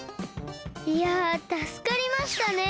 いやたすかりましたね。